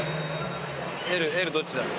Ｌどっちだ？